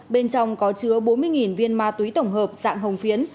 bên trong có chứa bốn mươi viên ma túy tổng hợp dạng hồng phiến